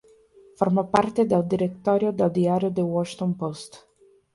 Forma parte del directorio del diario The Washington Post.